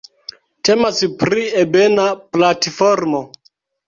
Temas pri ebena platformo.